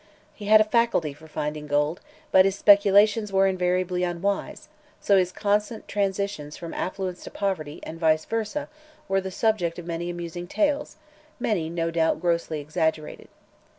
He had a faculty for finding gold, but his speculations were invariably unwise, so his constant transitions from affluence to poverty, and vice versa, were the subject of many amusing tales, many no doubt grossly exaggerated.